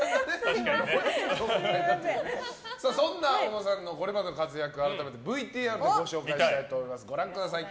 そんな小野さんのこれまでの活躍を改めてＶＴＲでご紹介します。